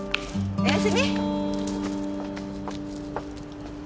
おやすみ！